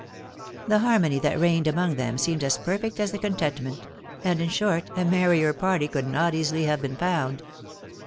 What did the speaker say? The harmony that reigned among them seemed as perfect as the contentment ; and in short, a merrier party could not easily have been found.